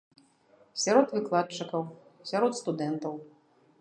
Сярод выкладчыкаў, сярод студэнтаў.